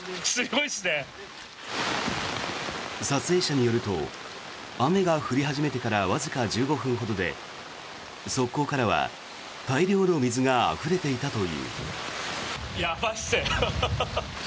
撮影者によると雨が降り始めてからわずか１５分ほどで側溝からは大量の水があふれていたという。